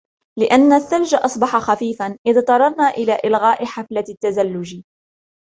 لأن الثلج أصبح خفيفا ، اضطررنا إلى إلغاء حفلة التزلج.